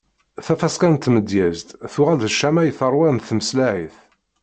Tafaska n tmedyezt tuɣal d ccama i tarwan n tesmaɛlit.